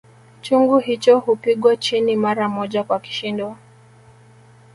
Chungu hicho hupigwa chini mara moja kwa kishindo